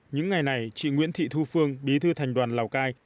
những ngày này chị nguyễn thị thu phương bí thư thành đoàn lào cai